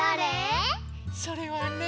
それはね。